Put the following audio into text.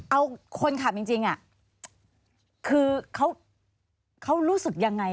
เอาคนขับจริงคือเขารู้สึกยังไง